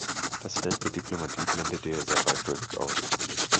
Das Feld der Diplomatie blendete er dabei völlig aus.